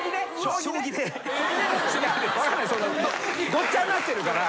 ごっちゃになってるから。